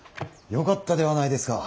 よかったではないですか。